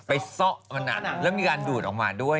ไปไม่ตรงจัดขึ้นมันแล้วมีการดูดออกมาด้วย